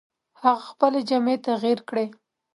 هغه خپلې جامې تغیر کړې.